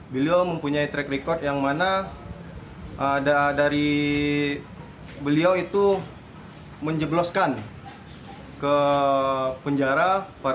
beliau mempunyai track record yang mana dari beliau itu menjebloskan ke penjara